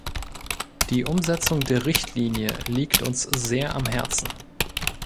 Die Umsetzung der Richtlinie liegt uns sehr am Herzen.